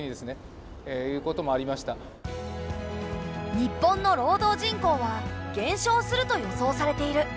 日本の労働人口は減少すると予想されている。